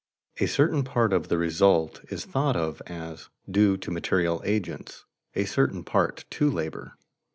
A certain part of the result is thought of as due to material agents, a certain part to labor.